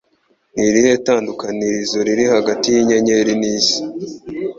Ni irihe tandukaniro riri hagati yinyenyeri nisi?